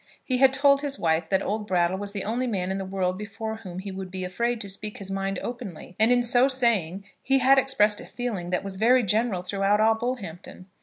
He had told his wife that old Brattle was the only man in the world before whom he would be afraid to speak his mind openly, and in so saying he had expressed a feeling that was very general throughout all Bullhampton.